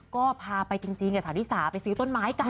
ก็พาไปจริงกับสาวธิสาไปซื้อต้นไม้กัน